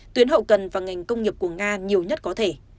tuyến hậu cần và ngành công nghiệp của nga nhiều nhất có thể